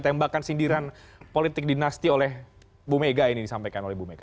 tembakan sindiran politik dinasti oleh bu mega ini disampaikan oleh bu mega